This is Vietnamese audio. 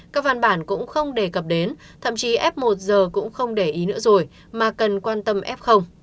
các văn bản cũng không đề cập đến thậm chí f một giờ cũng không để ý nữa rồi mà cần quan tâm f